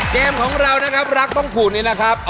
เกมของเรานะครับรักต้องขูดนี่แหละครับ